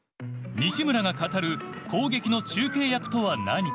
西村が語る攻撃の中継役とは何か。